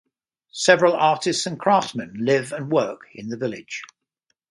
Several artists and craftsmen live and work in the village.